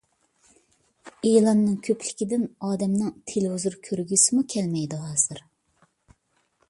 ئېلاننىڭ كۆپلۈكىدىن ئادەمنىڭ تېلېۋىزور كۆرگۈسىمۇ كەلمەيدۇ ھازىر.